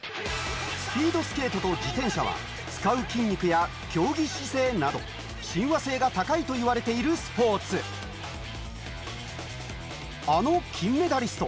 スピードスケートと自転車は使う筋肉や競技姿勢など親和性が高いといわれているスポーツあの金メダリスト